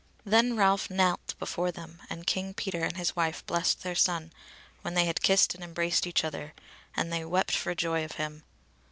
Then Ralph knelt before them, and King Peter and his wife blessed their son when they had kissed and embraced each other, and they wept for joy of him.